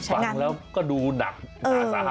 ฟังแล้วก็ดูหนักหนาสาหารอยู่เนี่ย